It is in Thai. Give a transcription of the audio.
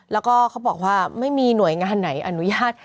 แล้วก็เขาบอกว่าไม่มีหน่วยงานไหนอนุญาต